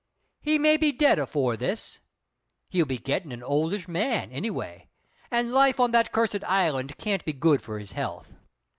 He may be dead afore this; he'll be getting an oldish man, anyway, and life on that cursed island can't be good for his health.